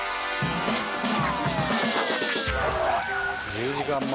１０時間前。